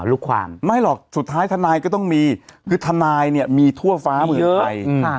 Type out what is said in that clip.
ลูกความไม่หรอกสุดท้ายทนายก็ต้องมีคือทนายเนี้ยมีทั่วฟ้าเหมือนใครมีเยอะอืมฮะ